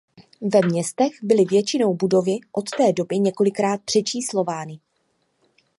Ve městech byly většinou budovy od té doby několikrát přečíslovány.